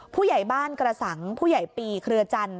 ผู้ใหญ่บ้านกระสังผู้ใหญ่ปีเครือจันท